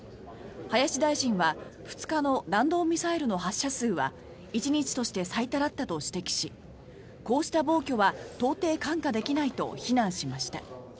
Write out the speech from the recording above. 林大臣は２日の弾道ミサイルの発射数は１日として最多だったと指摘しこうした暴挙は到底看過できないと非難しました。